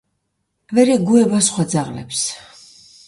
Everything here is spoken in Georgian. ვერ ეგუება სხვა ძაღლებს.